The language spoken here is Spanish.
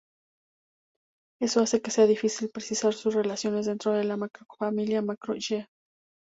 Eso hace que sea difícil precisar sus relaciones dentro de la macrofamilia Macro-Yê.